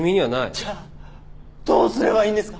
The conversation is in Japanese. じゃあどうすればいいんですか？